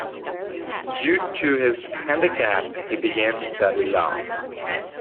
Due to his handicap he began to study law.